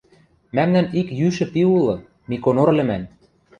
— Мӓмнӓн ик йӱшӹ пи улы, Миконор лӹмӓн...